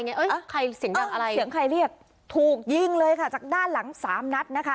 เสียงใครเรียกถูกยิงเลยค่ะจากด้านหลัง๓นัดนะคะ